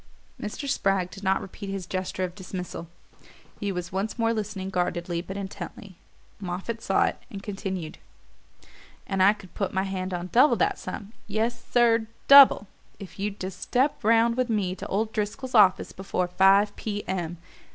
Mr. Spragg did not repeat his gesture of dismissal: he was once more listening guardedly but intently. Moffatt saw it and continued. "And I could put my hand on double that sum yes, sir, DOUBLE if you'd just step round with me to old Driscoll's office before five P. M.